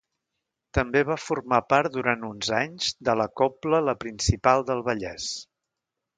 També va formar part durant uns anys de la Cobla La Principal del Vallès.